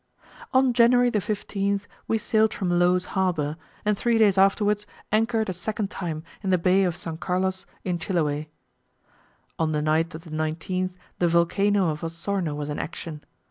ON JANUARY the 15th we sailed from Low's Harbour, and three days afterwards anchored a second time in the bay of S. Carlos in Chiloe. On the night of the 19th the volcano of Osorno was in action.